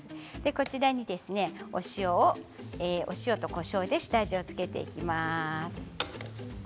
こちらに、塩とこしょうで下味を付けていきます。